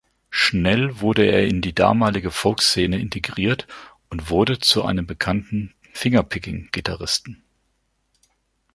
Schnell wurde er in die damalige Folkszene integriert und wurde zu einem bekannten Fingerpicking-Gitarristen.